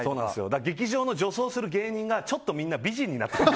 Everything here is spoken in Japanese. だから劇場の女装する芸人がちょっとみんな美人になってる。